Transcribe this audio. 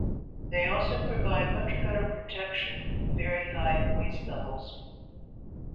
They also provide much better protection from very high noise levels.